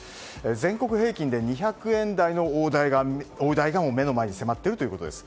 全国平均で２００円台の大台が目の前に迫っているということです。